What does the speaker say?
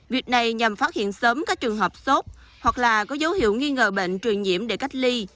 việc này nhằm phát hiện sớm các trường hợp sốt hoặc là có dấu hiệu nghi ngờ bệnh truyền nhiễm để cách ly